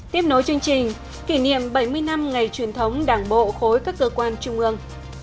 tiếp nối chương trình kỷ niệm bảy mươi năm ngày truyền thống đảng bộ khối các cơ quan trung ương